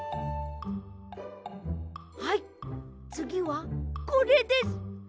はいつぎはこれです！